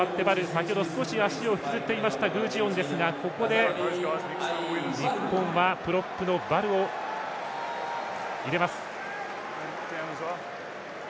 先ほど少し足を引きずっていた具智元ですがここで日本はプロップのヴァルを入れます。